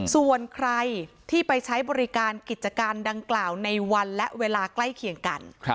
ส่วนใครที่ไปใช้บริการกิจการดังกล่าวในวันและเวลาใกล้เคียงกัน